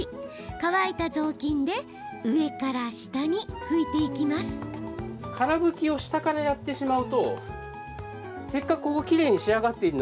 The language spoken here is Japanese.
乾いた雑巾で上から下に拭いていきます。